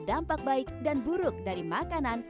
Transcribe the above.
dampak baik dan buruk dari makanan